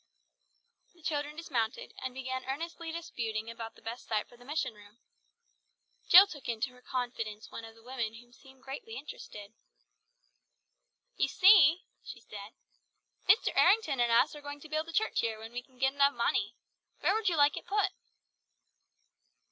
The children dismounted, and began earnestly disputing about the best site for the mission room. Jill took into her confidence one of the women who seemed greatly interested. "You see," she said, "Mr. Errington and us are going to build a church here when we can get enough money. Where would you like it put?"